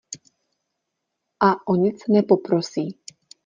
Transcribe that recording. A o nic nepoprosí.